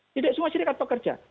tidak semua syarikat pekerja